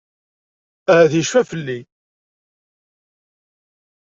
Ahat yecfa fell-i.